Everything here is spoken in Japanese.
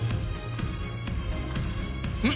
うん？